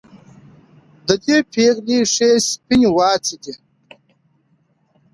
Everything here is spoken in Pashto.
د دې پېغلې ښې سپينې واڅې دي